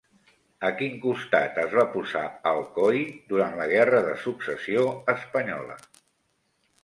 A quin costat es va posar Alcoi durant la guerra de Successió espanyola?